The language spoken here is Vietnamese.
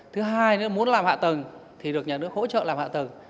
thứ hai nữa muốn làm hạ tầng thì được nhà nước hỗ trợ làm hạ tầng